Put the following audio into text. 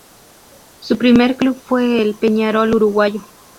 Su primer club fue el Peñarol uruguayo.